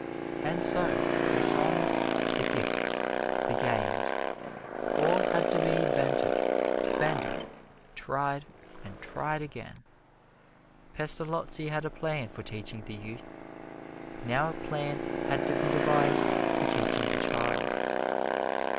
And so the songs, the gifts, the games all had to be invented, defended, tried and tried again. Pestalozzi had a plan for teaching the youth; now a plan had to be devised for teaching the child.